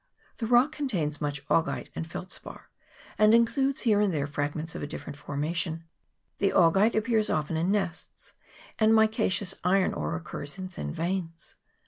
The rock contains much augite and felspar, and includes here and there fragments of a different formation. The augite appears often in nests; and micaceous iron ore occurs in thin veins.